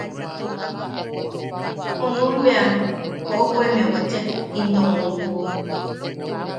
Junum bea koʼokoe wechek into muukuk.